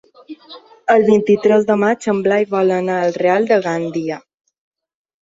El vint-i-tres de maig en Blai vol anar al Real de Gandia.